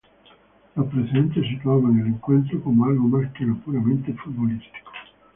Los precedentes situaban el encuentro como algo más que lo puramente futbolístico.